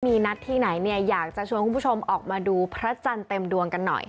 มีนัดที่ไหนเนี่ยอยากจะชวนคุณผู้ชมออกมาดูพระจันทร์เต็มดวงกันหน่อย